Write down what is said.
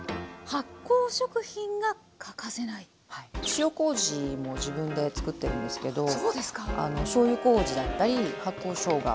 塩こうじも自分で作ってるんですけどしょうゆこうじだったり発酵しょうが